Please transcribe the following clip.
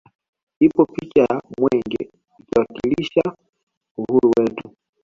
Ipo picha ya mwenge ikiwakilisha uhuru wetu